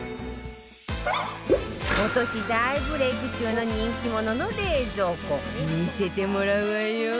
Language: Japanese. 今年大ブレイク中の人気者の冷蔵庫見せてもらうわよ